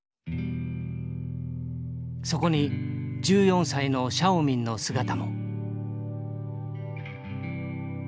そこに１４歳のシャオミンの姿も。